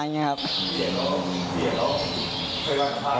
เหมือนพ่อแม่ที่สอนเรามา